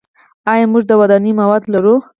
آیا موږ د ودانیو مواد لرو؟